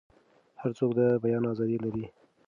هر څوک د بیان ازادي لري.